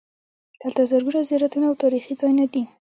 دلته زرګونه زیارتونه او تاریخي ځایونه دي.